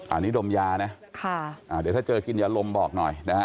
อันนี้ดมยานะถ้าเจอกินอย่าลมบอกหน่อยนะฮะ